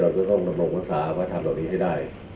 เราก็ต้องระมวงรักษาว่าทำเหล่านี้ให้ได้